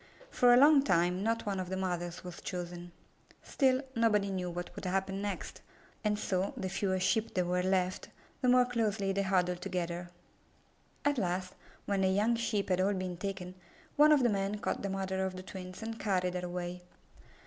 For a long time not one of the mothers was chosen. Still, nobody knew what would happen next, and so, the fewer Sheep there were left, the more closely they huddled together. At last, when the young Sheep had all been taken, one of the men caught the mother of the twins and carried her away.